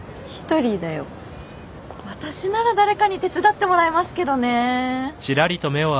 私なら誰かに手伝ってもらいますけどね。